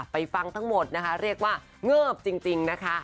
ฟังทั้งหมดนะคะเรียกว่าเงิบจริงนะคะ